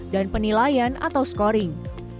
dan penilaian atau scoring